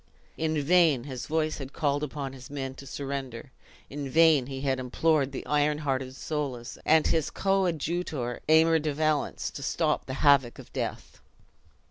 In vain his voice had called upon his men to surrender in vain he had implored the iron hearted Soulis, and his coadjutor Aymer de Valence, to stop the havoc of death.